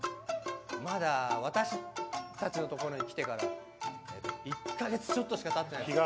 まだ私たちのところにきてから１か月ちょっとしかたってない。